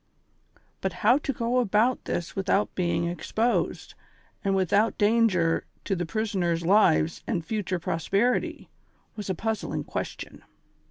But liow to go about this without being exposed, and Avithout dan ger to tlie iivisoners' lives and future prosperity, was a puzzling question.